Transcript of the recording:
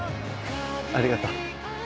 ありがとう。